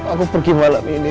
aku pergi malam ini